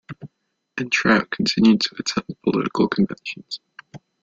And Trout continued to attend political conventions.